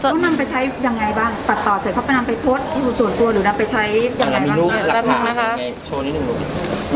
พวกน้ำไปใช้ยังไงบ้างตัดต่อเสร็จพวกน้ำไปโพสต์อยู่ส่วนตัวหรือน้ำไปใช้ยังไงบ้าง